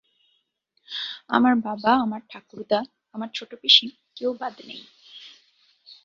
আমার বাবা, আমার ঠাকুরদা, আমার ছোটপিস-কেউ বাদ নেই।